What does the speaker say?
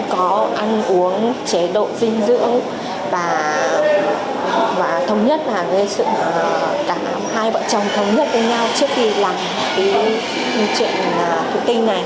có ăn uống chế độ dinh dưỡng và thống nhất là hai vợ chồng thống nhất với nhau